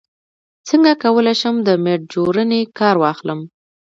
څنګه کولی شم د میډجورني کار واخلم